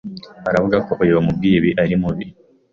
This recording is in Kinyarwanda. aravuga ko uyu wamubwiye ibi ari mubi